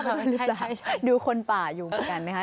ใช่ดูคนป่าอยู่กันนะคะ